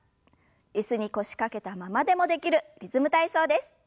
椅子に腰掛けたままでもできる「リズム体操」です。